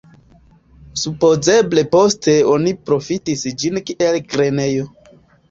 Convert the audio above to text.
Supozeble poste oni profitis ĝin kiel grenejo.